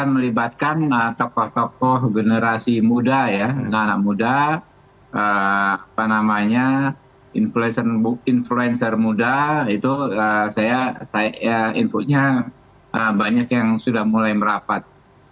melibatkan tokoh tokoh generasi muda ya anak anak muda influencer muda itu saya infonya banyak yang sudah mulai merapat